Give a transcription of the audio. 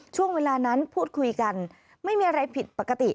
ช่วงเวลานั้นพูดคุยกันไม่มีอะไรผิดปกติ